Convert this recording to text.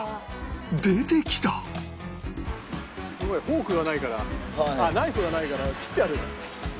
フォークがないからあっナイフがないから切ってあるよ。